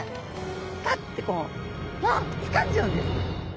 ガッてこうつかんじゃうんです。